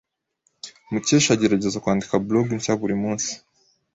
Mukesha agerageza kwandika blog nshya buri munsi.